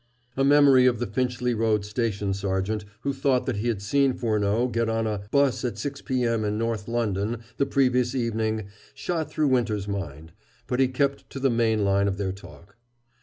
A memory of the Finchley Road station sergeant who thought that he had seen Furneaux get on a 'bus at 6 p.m. in North London the previous evening shot through Winter's mind; but he kept to the main line of their talk.